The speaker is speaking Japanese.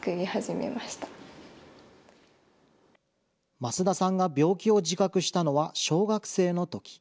増田さんが病気を自覚したのは小学生のとき。